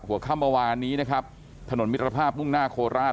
หัวข้ำวานนี้นะครับถนนมิตรภาพมุ่งหน้าโคลาส